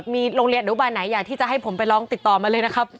มีโรงเรียนหรือการอยู่บานไหนอยากให้ผมไปร้องติดต่อมาเลยนะครับ